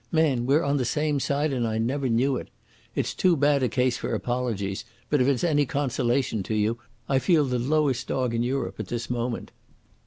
Man, we're on the same side and I never knew it. It's too bad a case for apologies, but if it's any consolation to you I feel the lowest dog in Europe at this moment."